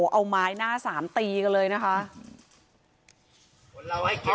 เอาไม้หน้าสามตีกันเลยนะคะเอาไงเอามาอยชิง